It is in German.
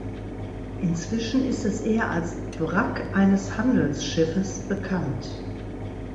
Inzwischen ist es eher als "Wrack eines Handelsschiffes" bekannt.